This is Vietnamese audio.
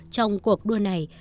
trong cuộc đua này